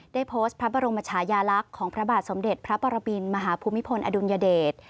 ได้โพสต์พระบรมชายาลักษณ์ของพระบาทสมเด็จพระปรมินมหาภูมิพลอดุลยเดช